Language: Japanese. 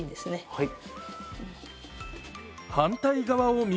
はい。